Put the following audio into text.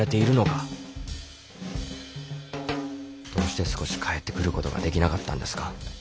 どうして少し帰ってくることができなかったんですか？